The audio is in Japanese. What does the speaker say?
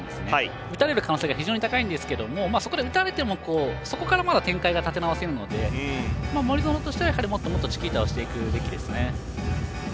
打たれる可能性が非常に高いんですけどもそこで打たれても、そこからまだ展開が立て直せるので森薗としては、もっともっとチキータをしていくべきですね。